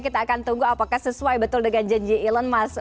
kita akan tunggu apakah sesuai betul dengan janji elon musk